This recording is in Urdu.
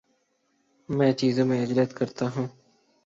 میں چیزوں میں عجلت کرتا ہوں